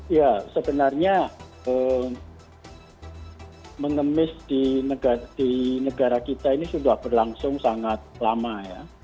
ya sebenarnya mengemis di negara kita ini sudah berlangsung sangat lama ya